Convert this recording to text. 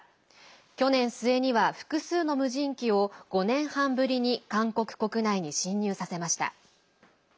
去年末には複数の無人機を５年半ぶりに韓国国内に侵入させました。